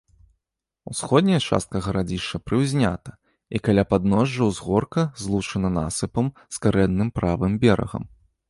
Усходняя частка гарадзішча прыўзнята і каля падножжа ўзгорка злучана насыпам з карэнным правым берагам.